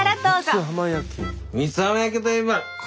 三津浜焼きといえばこれ！